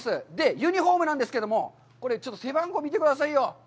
ユニホームなんですけれども、これ、ちょっと背番号見てくださいよ。